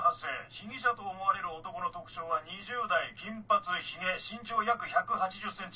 被疑者と思われる男の特徴は２０代金髪ヒゲ身長約１８０ｃｍ。